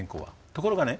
ところがね